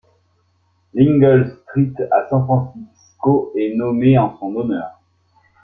L'Ingalls Street à San Francisco est nommé en son honneur.